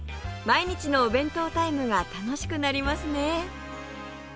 毎日のお弁当タイムが楽しくなりますね！